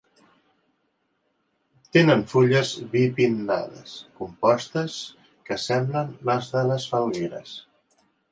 Tenen fulles bipinnades compostes que semblen les de les falgueres.